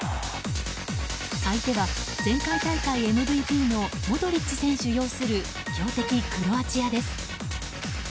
相手は、前回大会ＭＶＰのモドリッチ選手擁する強敵クロアチアです。